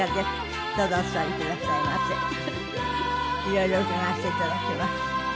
色々伺わせて頂きます。